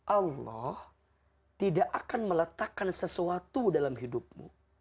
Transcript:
allah tidak akan meletakkan sesuatu dalam hidupmu